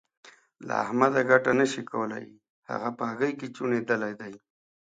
له احمده ګټه نه شې کولای؛ هغه په هګۍ کې چوڼېدلی دی.